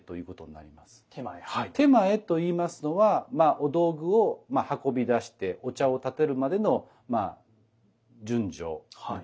点前といいますのはまあお道具を運び出してお茶を点てるまでの順序動作。